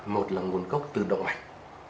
một là nguồn gốc từ động mạch